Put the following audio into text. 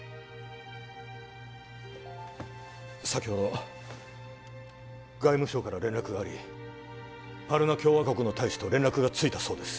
先ほど外務省から連絡がありパルナ共和国の大使と連絡がついたそうです